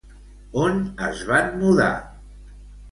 On es van mudar?